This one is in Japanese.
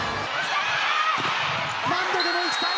何度でもいきたい